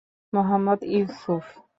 Mohammad Yusuf